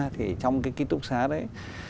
thì trong cái kinh tục xá đấy